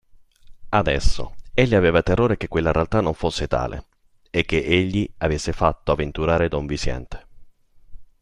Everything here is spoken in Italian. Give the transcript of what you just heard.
Adesso, egli aveva terrore che quella realtà non fosse tale e che egli avesse fatto avventurare don Viciente.